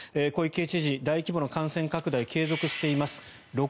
小池知事、大規模な感染拡大が継続しています。